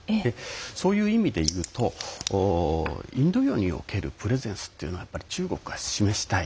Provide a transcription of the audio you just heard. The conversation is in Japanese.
そういう意味で言うとインド洋におけるプレゼンスというのは中国が示したい。